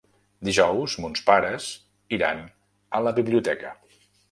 Dijous mons pares iran a la biblioteca.